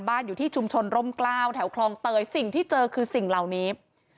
อยู่ที่ชุมชนร่มกล้าวแถวคลองเตยสิ่งที่เจอคือสิ่งเหล่านี้